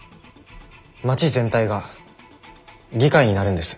街全体が議会になるんです。